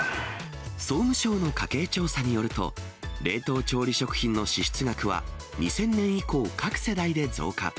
総務省の家計調査によると、冷凍調理食品の支出額は、２０００年以降、各世代で増加。